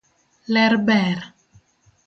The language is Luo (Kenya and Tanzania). Ler ber.